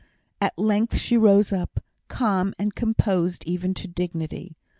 At length she rose up, calm and composed even to dignity.